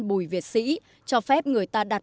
bùi việt sĩ cho phép người ta đặt